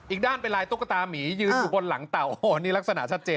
อีกด้านเป็นลายตุ๊กตามียืนอยู่บนหลังเต่าโอ้โหนี่ลักษณะชัดเจน